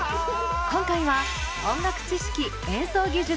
今回は音楽知識・演奏技術